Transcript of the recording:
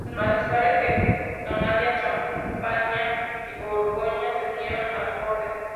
Los mariscales de Normandía, Champaña y Borgoña se unieron a su corte.